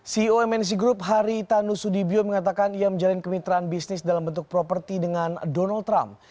ceo mnc group hari tanu sudibyo mengatakan ia menjalin kemitraan bisnis dalam bentuk properti dengan donald trump